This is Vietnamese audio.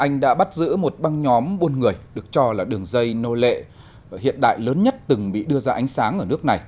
anh đã bắt giữ một băng nhóm buôn người được cho là đường dây nô lệ hiện đại lớn nhất từng bị đưa ra ánh sáng ở nước này